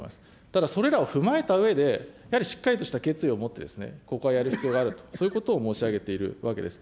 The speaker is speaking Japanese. ただそれらを踏まえたうえで、やはりしっかりとした決意を持って、ここはやる必要があると、そういうことを申し上げているわけです。